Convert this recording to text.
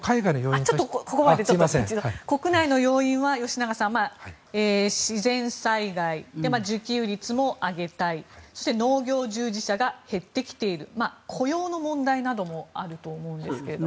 ここまでで、一度国内の要因は吉永さん、自然災害自給率も上げたいそして農業従事者が減ってきている雇用の問題などもあると思うんですが。